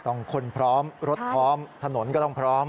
คนพร้อมรถพร้อมถนนก็ต้องพร้อม